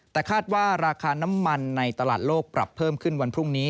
แต่คาดว่าราคาน้ำมันในตลาดโลกปรับเพิ่มขึ้นวันพรุ่งนี้